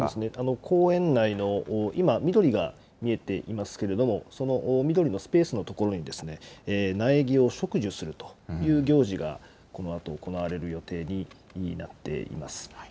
公園内の今、緑が見えていますがその緑のスペースのところに苗木を植樹するという行事がこのあと行われる予定になっています。